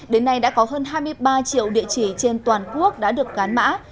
đến nay đã có hơn hai mươi ba triệu địa chỉ trên toàn quốc đã được gắn mã